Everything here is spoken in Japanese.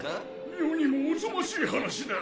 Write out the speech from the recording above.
世にもおぞましい話だ。